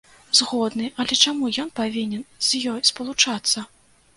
Згодны, але чаму ён павінен з ёй спалучацца?